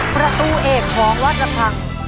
ประตูเอกของวัดลำพัง